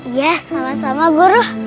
ya sama sama guru